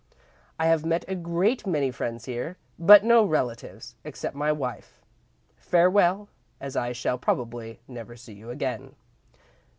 I have met a great many friends here, but no relatives except my wife. Farewell, as I shall probably never see you again.